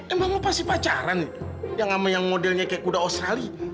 emang lu pasti pacaran nih yang ama yang modelnya kayak kuda australia